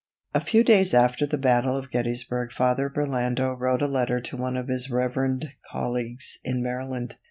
A few days after the battle of Gettysburg Father Burlando wrote a letter to one of his reverend colleagues in Maryland.